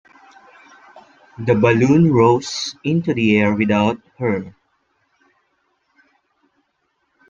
The balloon rose into the air without her.